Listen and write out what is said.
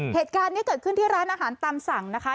เหตุการณ์นี้เกิดขึ้นที่ร้านอาหารตามสั่งนะคะ